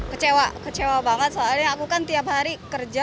kecewa kecewa banget soalnya aku kan tiap hari kerja